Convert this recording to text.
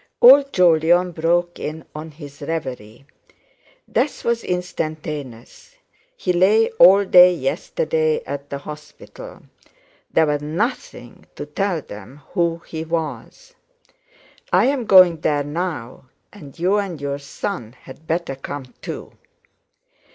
Old Jolyon broke in on his reverie. "Death was instantaneous. He lay all day yesterday at the hospital. There was nothing to tell them who he was. I am going there now; you and your son had better come too."